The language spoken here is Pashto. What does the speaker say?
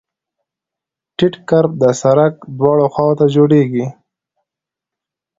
ټیټ کرب د سرک دواړو خواو ته جوړیږي